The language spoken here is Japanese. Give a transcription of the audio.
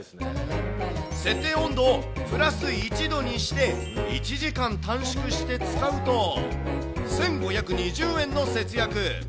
設定温度をプラス１度にして、１時間短縮して使うと、１５２０円の節約。